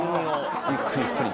ゆっくりゆっくり。